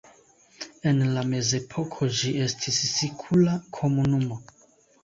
En la mezepoko ĝi estis sikula komunumo.